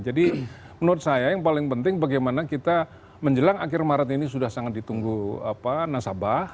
jadi menurut saya yang paling penting bagaimana kita menjelang akhir maret ini sudah sangat ditunggu nasabah